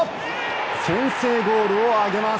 先制ゴールを上げます。